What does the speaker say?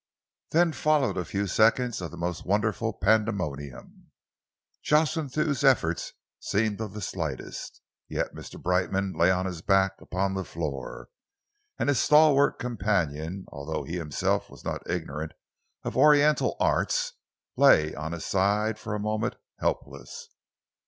Then followed a few seconds' most wonderful pandemonium. Jocelyn Thew's efforts seemed of the slightest, yet Mr. Brightman lay on his back upon the floor, and his stalwart companion, although he himself was not ignorant of Oriental arts, lay on his side for a moment, helpless.